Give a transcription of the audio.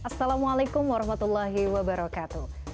assalamualaikum warahmatullahi wabarakatuh